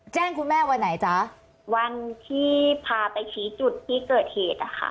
แจ้งคุณแม่วันไหนจ๊ะวันที่พาไปชี้จุดที่เกิดเหตุอะค่ะ